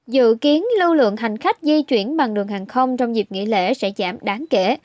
dự kiến lưu lượng hành khách di chuyển bằng đường hàng không trong dịp nghỉ lễ sẽ giảm đáng kể